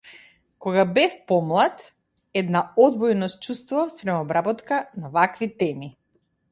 Кога бев помлад една одбојност чувствував спрема обработката на вакви теми.